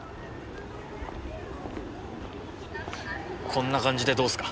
こんな感じでどうっすか。